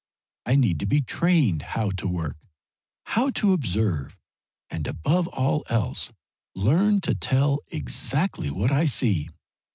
I need to be trained how to work, how to observe, and above all else learn to tell exactly what I see.